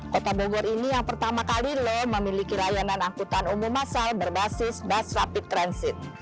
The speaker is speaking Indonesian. kota bogor ini yang pertama kali lho memiliki layanan angkutan umum masal berbasis bus rapid transit